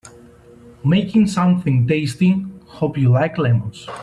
Making something tasty hope you like lemons !